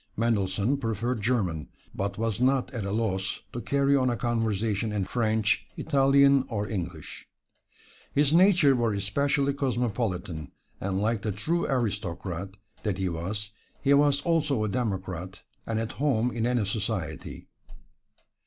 Mendelssohn preferred German, but was not at a loss to carry on a conversation in French, Italian or English. His nature was especially cosmopolitan, and like the true aristocrat that he was, he was also a democrat, and at home in any society.